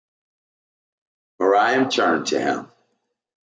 Miriam turned to him.